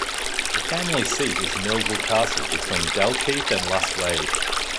The family seat is Melville Castle between Dalkeith and Lasswade.